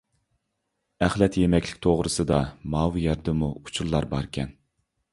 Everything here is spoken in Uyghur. ئەخلەت يېمەكلىك توغرىسىدا ماۋۇ يەردىمۇ ئۇچۇرلار باركەن.